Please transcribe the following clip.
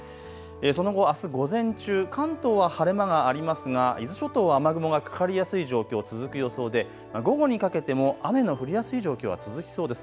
その後、あす午前中、関東は晴れ間がありますが伊豆諸島は雨雲がかかりやすい状況、続く予想で午後にかけても雨の降りやすい状況は続きそうです。